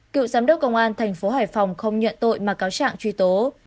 cựu giám đốc công an thành phố hải phòng không nhận tội mà cáo trạng truy tố